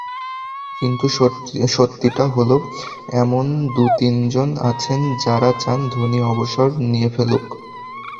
কিন্তু সত্যিটা হলো এমন দু-তিনজন আছেন, যাঁরা চান ধোনি অবসর নিয়ে ফেলুক।